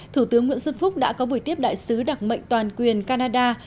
thủ tướng nguyễn xuân phúc đã có buổi tiếp đại sứ đặc mệnh toàn quyền canada